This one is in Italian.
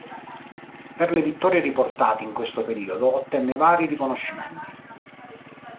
Per le vittorie riportate in questo periodo, ottenne vari riconoscimenti.